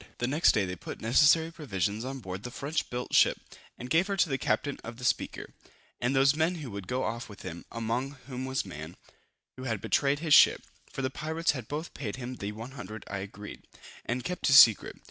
The next day they put necessary provisions on board the French built ship, and gave her to the captain of the Speaker, and those men who would go off with him, among whom was Man, who had betrayed his ship; for the pirates had both paid him the 100_l_ agreed, and kept his secret.